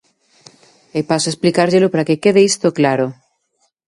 E paso a explicárllelo para que quede isto claro.